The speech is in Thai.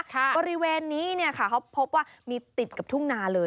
บริเวณนี้เนี่ยค่ะเขาพบว่ามีติดกับทุ่งนาเลย